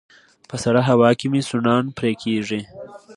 په سړه هوا کې مې سوڼان پرې کيږي